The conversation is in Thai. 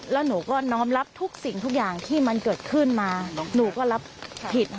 แล้วหนูก็น้อมรับทุกสิ่งทุกอย่างที่มันเกิดขึ้นมาหนูก็รับผิด